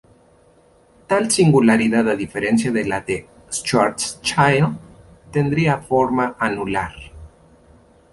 Tal singularidad, a diferencia de la de Schwarzschild, tendría forma anular.